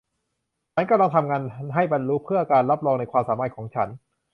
ฉันกำลังทำงานให้บรรลุเพื่อการรับรองในความสามารถของฉัน